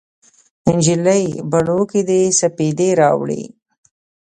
نجلۍ بڼو کې دې سپیدې راوړي